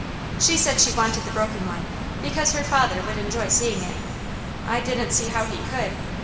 She said she wanted the broken one, because her father would enjoy seeing it. I didn't see how he could!